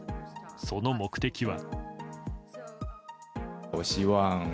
その目的は。